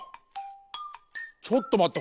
ちょっとまって！